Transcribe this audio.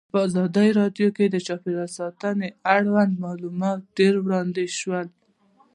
په ازادي راډیو کې د چاپیریال ساتنه اړوند معلومات ډېر وړاندې شوي.